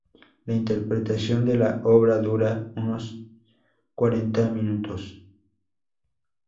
La interpretación de la obra dura unos cuarenta minutos.